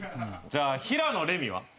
じゃあ平野レミは？